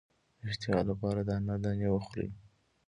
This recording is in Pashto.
د اشتها لپاره د انار دانې وخورئ